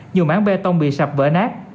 nhiều mảng bê tông bị sạp bở nát